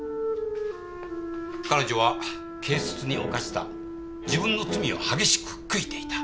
彼女は軽率に犯した自分の罪を激しく悔いていた。